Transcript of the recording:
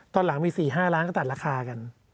ตอนหลังมี๔๕ล้านก็ตัดราคากัน